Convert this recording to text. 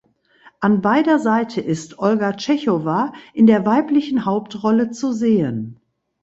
An beider Seite ist Olga Tschechowa in der weiblichen Hauptrolle zu sehen.